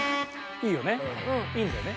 いいんだよね。